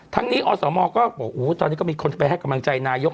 ทั้งนี้อสมก็บอกตอนนี้ก็มีคนไปให้กำลังใจนายก